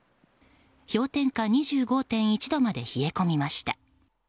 氷点下２５．１度まで冷え込みました。